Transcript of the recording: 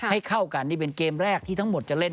ให้เข้ากันนี่เป็นเกมแรกที่ทั้งหมดจะเล่น